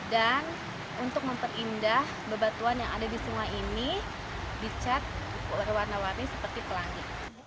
dan untuk memperindah bebatuan yang ada di sungai ini dicat warna warni seperti pelangi